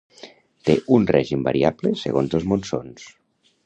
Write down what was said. Té un règim variable segons els monsons.